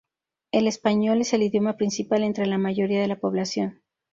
El español es el idioma principal entre la mayoría de la población.